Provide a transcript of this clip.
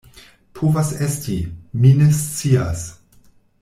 Povas esti, mi ne scias.